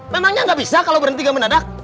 memangnya nggak bisa kalau berhenti gak menadak